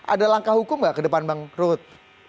ada langkah hukum nggak ke depan bang ruhut